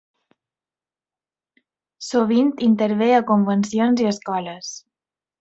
Sovint intervé a convencions i escoles.